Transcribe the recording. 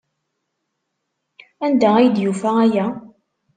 Anda ay d-yufa aya?